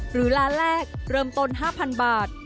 หรือร้านแรกเริ่มต้น๕๐๐๐บาท